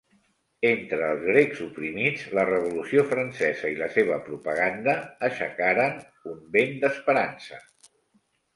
Entre els grecs oprimits la Revolució Francesa i la seva propaganda aixecaren un vent d'esperança.